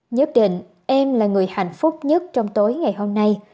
nhất định em là người hạnh phúc nhất trong tối ngày hôm nay